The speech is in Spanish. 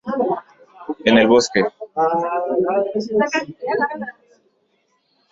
En el bosque".